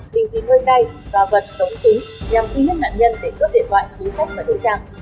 bình dịt hơi cay và vật giống súng nhằm khí hút nạn nhân để cướp điện thoại bí sách và đối trang